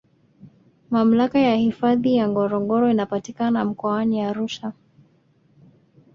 Mamlaka ya hifadhi ya Ngorongoro inapatikana mkoani Arusha